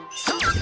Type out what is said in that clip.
そう！